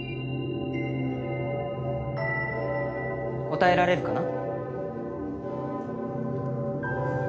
答えられるかな？